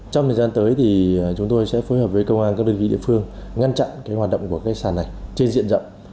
trong thời gian tới thì chúng tôi sẽ phối hợp với công an các đơn vị địa phương ngăn chặn hoạt động của sàn này trên diện rộng